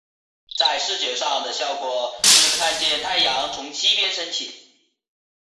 在视觉上的效果是看见太阳从西边升起。